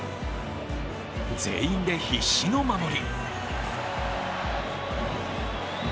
全員で必死の守り。